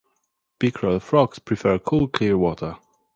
Pickerel frogs prefer cool clear water.